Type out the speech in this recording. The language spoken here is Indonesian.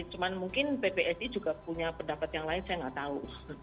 cuma mungkin ppsi juga punya pendapat yang lain saya nggak tahu